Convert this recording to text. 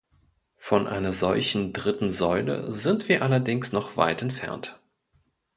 Von einer solchen dritten Säule sind wir allerdings noch weit entfernt.